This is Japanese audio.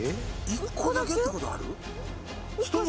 １個だけってことある？